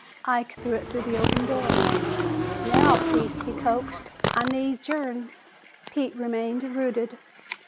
Ike threw it through the open door. "Now, Pete," he coaxed, "I need your'n." Pete remained rooted.